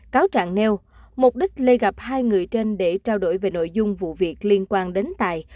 cáo trạng nêu mục đích lê gặp hai người trên để trao đổi về nội dung vụ việc liên quan đến tài